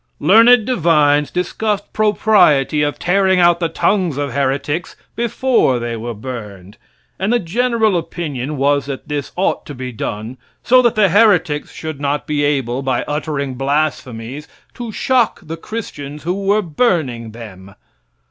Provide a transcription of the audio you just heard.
Learned divines discussed propriety of tearing out the tongues of heretics before they were burned, and the general opinion was that this ought to be done, so that the heretics should not be able, by uttering blasphemies, to shock the christians who were burning them.